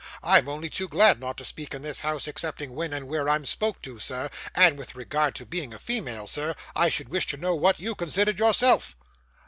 'I'm only too glad not to speak in this house, excepting when and where I'm spoke to, sir; and with regard to being a female, sir, I should wish to know what you considered yourself?